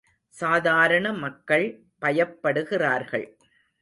சாதாரண மக்கள் பயப்படுகிறார்கள்.